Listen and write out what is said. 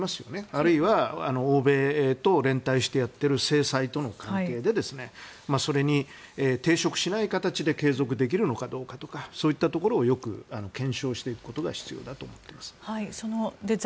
あるいは欧米と連帯してやっている制裁との関係でそれに抵触しない形で継続できるのかどうかとかそういったところをよく検証していくことが必要だと思います。